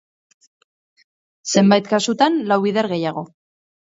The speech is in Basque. Zenbait kasutan, lau bider gehiago.